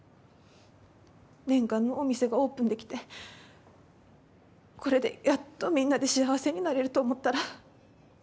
念願のお店がオープンできてこれでやっとみんなで幸せになれると思ったら。